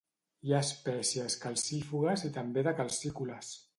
Hi ha espècies calcífugues i també de calcícoles.